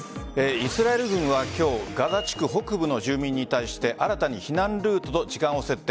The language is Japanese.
イスラエル軍は今日ガザ地区北部の住民に対して新たに避難ルートと時間を設定。